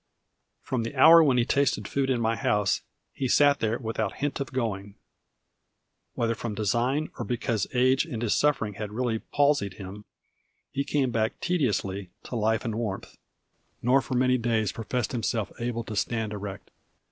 From the hour when he tasted food in my house, he sat there without hint of going. Whether from design, or because age and his sufferings had really palsied him, he came back tediously to life and warmth, nor for many days professed himself able to stand erect.